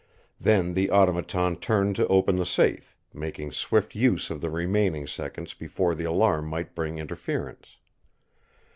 Then the Automaton turned to open the safe, making swift use of the remaining seconds before the alarm might bring interference.